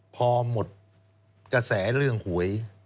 พอหมดกระแสเรื่องหวย